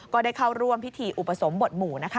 ก็ได้เข้าร่วมพิธีอุปสมบทหมู่